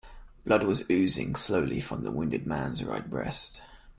Blood was oozing slowly from the wounded man's right breast.